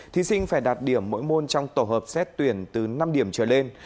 thí sinh phải đạt điểm mỗi môn trong tổ hợp xét tuyển từ năm điểm trở lên